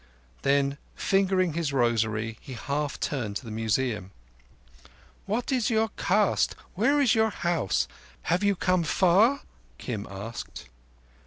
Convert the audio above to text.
Then, fingering his rosary, he half turned to the Museum. "What is your caste? Where is your house? Have you come far?" Kim asked.